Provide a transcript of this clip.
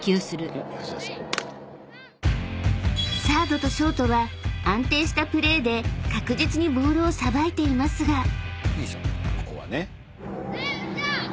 ［サードとショートは安定したプレーで確実にボールをさばいていますが］